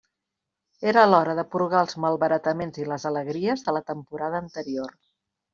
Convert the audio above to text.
Era l'hora de porgar els malbarataments i les alegries de la temporada anterior.